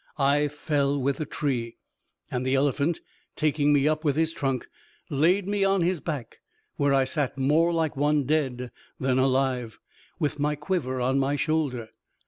I fell with the tree, and the elephant, taking me up with his trunk, laid me on his back, where I sat more like one dead than alive, with my quiver on my shoulder.